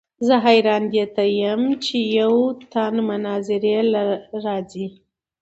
زۀ حېران دې ته يم چې يو تن مناظرې له راځي